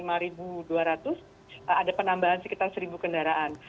ada penambahan sekitar seribu kendaraan